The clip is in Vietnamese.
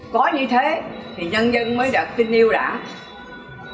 có như thế thì nhân dân mới đặt tin yêu đảng